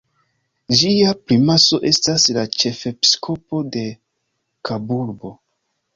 Ĝia primaso estas la ĉefepiskopo de Kaburbo.